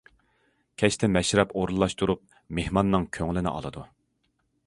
كەچتە مەشرەپ ئورۇنلاشتۇرۇپ، مېھماننىڭ كۆڭلىنى ئالىدۇ.